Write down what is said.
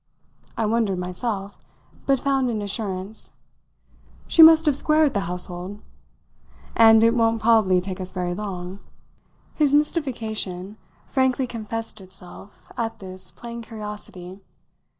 I wondered myself, but found an assurance. "She must have squared the household! And it won't probably take us very long." His mystification frankly confessed itself, at this, plain curiosity.